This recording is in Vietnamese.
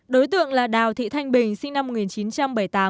đối tượng là đào thị thanh bình sinh năm một nghìn chín trăm bảy mươi tám